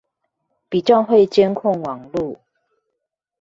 比較會監控網路